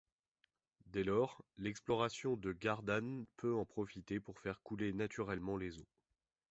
Dès lors, l’exploration de Gardanne peut en profiter pour faire couler naturellement les eaux.